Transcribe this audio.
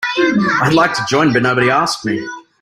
I'd like to join but nobody asked me.